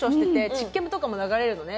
チッケムとかも流れるのね。